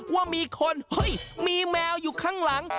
ว่ามีคนเฮ้ยมีแมวอยู่ข้างหลัง